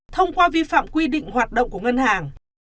thông qua vi phạm quy định hoạt động của ngân hàng